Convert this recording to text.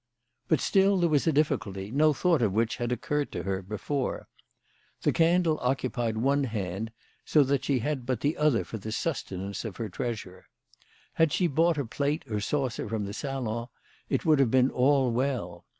But still there was a difficulty, no thought of which had occurred to her before. The candle occupied one hand, so that she had but the other for the sustenance of her treasure. Had she brought a plate or saucer from the salon, it would have been all well.